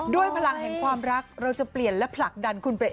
พลังแห่งความรักเราจะเปลี่ยนและผลักดันคุณไปเอง